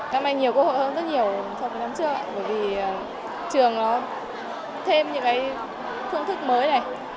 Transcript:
năm nay nhiều cơ hội hơn rất nhiều so với năm trước bởi vì trường thêm những phương thức mới này